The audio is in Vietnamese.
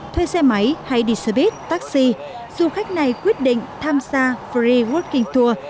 thuê xe máy hay đi xe buýt taxi du khách này quyết định tham gia free walking tour